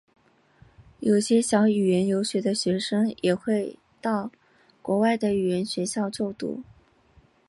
有些想语言游学的学生也会到国外的语言学校就读。